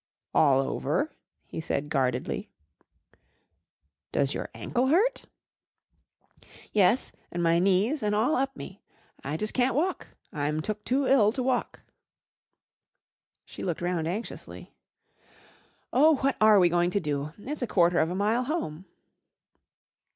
"All over," he said guardedly. "Does your ankle hurt?" "Yes an' my knees an' all up me. I jus' can't walk. I'm took too ill to walk." She looked round anxiously. "Oh, what are we going to do? It's a quarter of a mile home!"